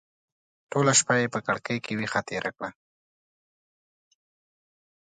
ټوله شپه یې په کړکۍ کې ویښه تېره کړه.